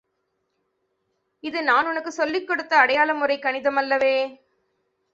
இது நான் உனக்குச் சொல்லிக் கொடுத்த அடையாளமுறைக் கணிதம் அல்லவே.